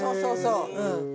うん。